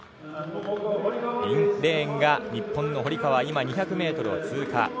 インレーンが日本の堀川今２００ｍを通過。